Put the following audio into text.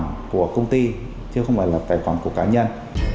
tài khoản của công ty chứ không phải là tài khoản của cá nhân